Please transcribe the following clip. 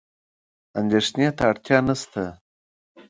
اندېښنې ته اړتیا نشته.